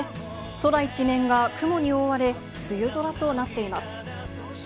空一面が雲に覆われ、梅雨空となっています。